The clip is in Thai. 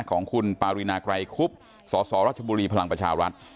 ของคุณปารินาไกรคุพสอสอราชบุรีภลังประชาวัฒน์